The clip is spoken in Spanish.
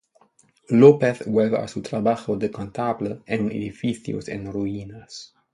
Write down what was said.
López vuelve a su trabajo de contable en un edificio en ruinas.